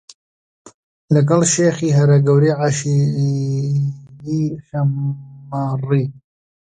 لەگەڵ شێخی هەرە گەورەی عەشایری شەممەڕ